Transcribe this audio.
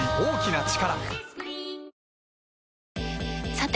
さて！